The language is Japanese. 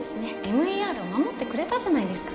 ＭＥＲ を守ってくれたじゃないですか